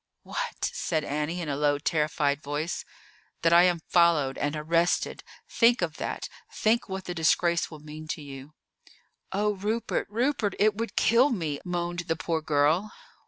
"What?" said Annie in a low, terrified voice. "That I am followed and arrested. Think of that! Think what the disgrace will mean to you!" "Oh, Rupert, Rupert, it would kill me!" moaned the poor girl.